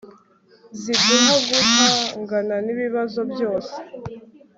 ziduha guhangana n'ibibazo byose